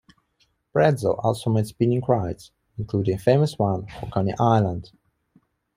Pretzel also made spinning rides, including a famous one for Coney Island.